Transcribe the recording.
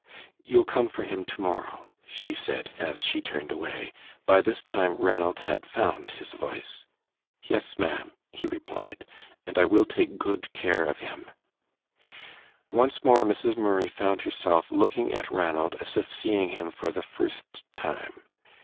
"You'll come for him to morrow," she said, as she turned away. By this time Ranald had found his voice. "Yes, ma'am," he replied. "And I will take good care of him." Once more Mrs. Murray found herself looking at Ranald as if seeing him for the first time.